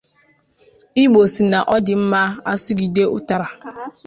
Igbo sị na ọ dị mma a sụgide ụtara